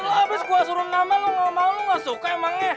lo abis gua suruh nama lo gak mau lo gak suka emangnya